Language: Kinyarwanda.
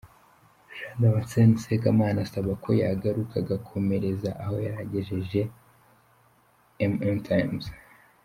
Jean Damascène Sekamana asaba ko yagaruka agakomereza aho yari agejeje, mmtimes.